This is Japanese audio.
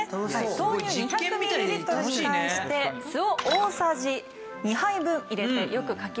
豆乳２００ミリリットルに対して酢を大さじ２杯分入れてよくかき混ぜてください。